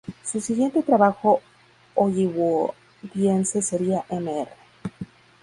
Su siguiente trabajo hollywoodiense sería "Mr.